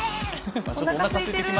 おなかすいてるよ。